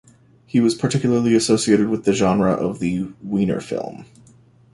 He was particularly associated with the genre of the "Wiener Film".